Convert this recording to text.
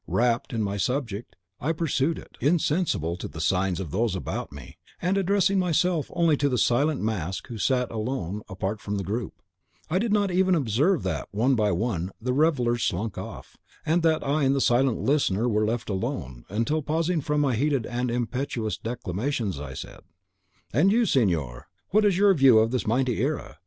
Rapt in my subject, I pursued it, insensible to the signs of those about me; and, addressing myself only to the silent mask who sat alone, apart from the group, I did not even observe that, one by one, the revellers slunk off, and that I and the silent listener were left alone, until, pausing from my heated and impetuous declamations, I said, "'And you, signor, what is your view of this mighty era?